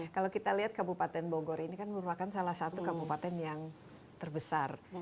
kalau kita lihat kabupaten bogor ini kan merupakan salah satu kabupaten yang terbesar